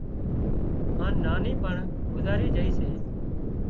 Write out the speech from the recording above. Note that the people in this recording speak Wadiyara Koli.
هانَ نانِي پڻ گذارِي جھئي سي